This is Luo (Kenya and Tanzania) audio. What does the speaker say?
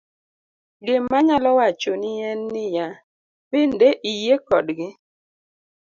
gima anyalo wacho ni en ni ya, bende iyie kodgi?'